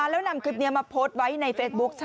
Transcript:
แล้วนำคลิปนี้มาโพสต์ไว้ในเฟซบุ๊ค